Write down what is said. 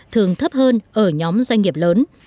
thường thấp hơn ở nhóm doanh nghiệp lớn